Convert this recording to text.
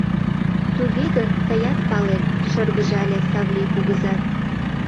Туге гын, тыят палет, — шыргыжале Савлий кугызат.